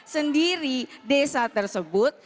sendiri desa tersebut